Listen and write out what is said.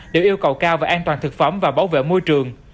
đều yêu cầu cao về an toàn thực phẩm và bảo vệ môi trường